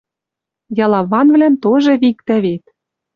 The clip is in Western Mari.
Ялаванвлӓм тоже виктӓ вет!